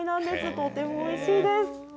とてもおいしいです。